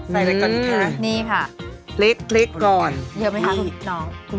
ใส่อะไรก่อนดีกว่า